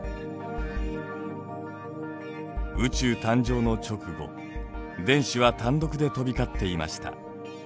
宇宙誕生の直後電子は単独で飛び交っていました。